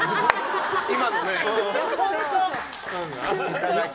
今のね。